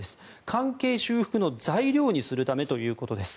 関係修復の材料にするためということです。